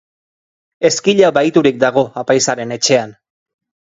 Ezkila bahiturik dago apaizaren etxean.